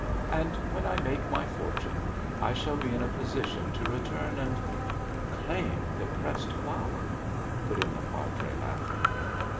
And when I make my fortune I shall be in a position to return and " "Claim the pressed flower!" put in the padre, laughing.